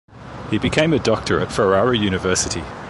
He became a doctor in Ferrara University.